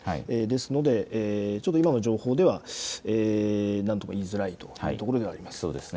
ですので、ちょっと今の情報ではなんとも言いづらいところではあります。